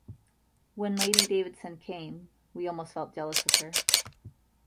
When Lady Davidson came, we almost felt jealous of her.